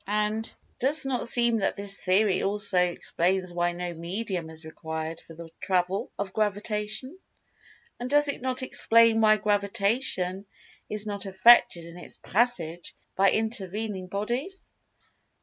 And does not seem that this theory also explains why no medium is required for the "travel" of Gravitation? And does it not explain why Gravitation is not affected in its "passage" by intervening bodies?